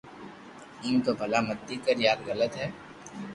ايم تو ڀلا متي ڪر يار غلط ھي